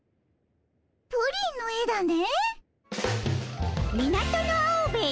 プリンの絵だね。